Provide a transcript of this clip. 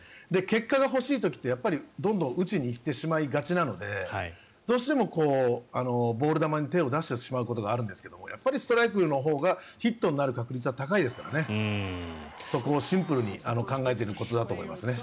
結果が欲しい時はどんどん打ちに行ってしまうのでどうしてもボール球に手を出してしまうことがあるんですがやっぱりストライクのほうがヒットになる確率は高いですからそこをシンプルに考えていくことだと思います。